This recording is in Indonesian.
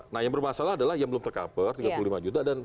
nah yang bermasalah adalah yang belum tercover tiga puluh lima juta